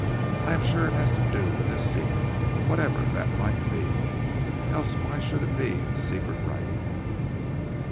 I am sure it has to do with his secret, whatever that might be. Else why should it be in secret writing?"